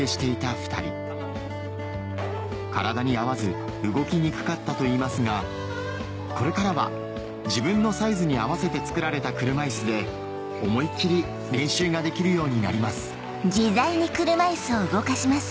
２人体に合わず動きにくかったといいますがこれからは自分のサイズに合わせて作られた車いすで思い切り練習ができるようになります